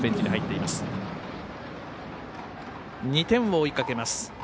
２点を追いかけます。